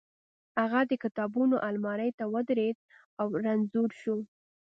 هغه د کتابونو المارۍ ته ودرېد او رنځور شو